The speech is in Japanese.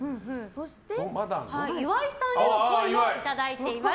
岩井さんへのっぽいをいただいています。